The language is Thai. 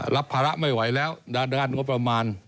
รับภาระไม่ไหวแล้วด้านงบประมาณ